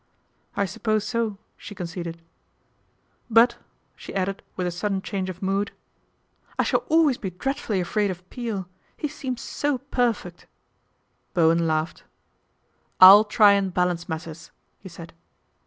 " I suppose so," she conceded. " But," she added with a sudden change of mood, " I shall always PATRICIA BRENT, SPINSTER be dreadfully afraid of Peel. He seems so per feet." Bowen laughed. " I'll try and balance matters/' he said.